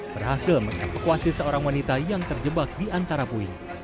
berhasil mengevakuasi seorang wanita yang terjebak di antara puing